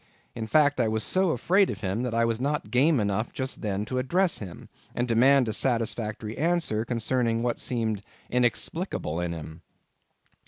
In fact, I was so afraid of him that I was not game enough just then to address him, and demand a satisfactory answer concerning what seemed inexplicable in him.